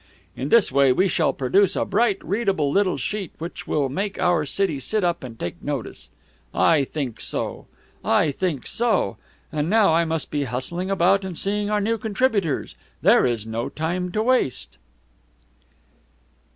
In this way we shall produce a bright, readable little sheet which will make our city sit up and take notice. I think so. I think so. And now I must be hustling about and seeing our new contributors. There is no time to waste."